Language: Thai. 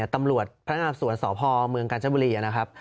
ตำรวจพนักงานสวนสพเมืองกาญจนบุรีนะครับ